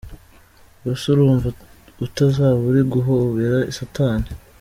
Ubwose urumva utazaba uri guhobera satani?”.